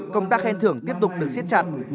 công tác khen thưởng tiếp tục được xiết chặt